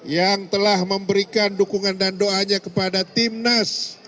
yang telah memberikan dukungan dan doanya kepada timnas